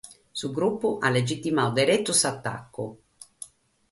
Su grupu at legitimadu deretu s'atacu.